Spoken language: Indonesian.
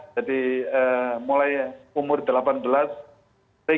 jadi mulai umur